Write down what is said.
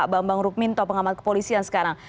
saya ke pak rukmin pengamat kepolisian